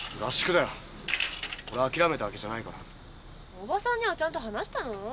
おばさんにはちゃんと話したの？